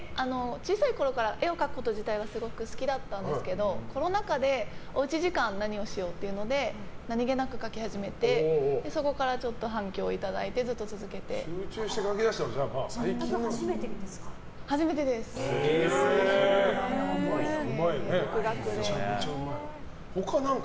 小さいころから絵を描くこと自体はすごく好きだったんですけどコロナ禍でおうち時間何をしようっていうので何気なく描き始めてそこから反響をいただいて集中して描きだしたのはそれが初めてですか？